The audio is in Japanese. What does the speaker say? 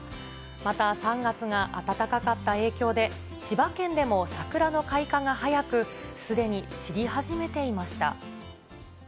また３月が暖かかった影響で、千葉県でも桜の開花が早く、すでに散り始めていました。